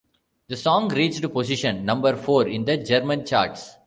The song reached position number four in the German charts.